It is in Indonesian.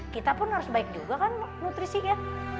kita pun harus baik juga kan nutrisinya